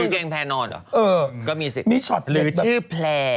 กางเกงแพร่นอนเหรอก็มีสิหรือชื่อแพร่